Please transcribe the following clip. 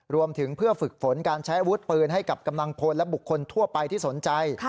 รวมถึงเพื่อฝึกฝนการใช้อาวุธปืนให้กับกำลังพลและบุคคลทั่วไปที่สนใจ